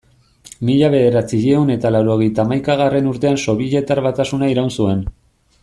Mila bederatziehun eta laurogeita hamaikagarren urtean Sobietar Batasuna iraun zuen.